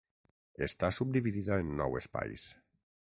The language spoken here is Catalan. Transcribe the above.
Està subdividida en nou espais.